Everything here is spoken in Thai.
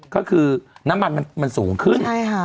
ก็คือน้ำมันมันสูงขึ้น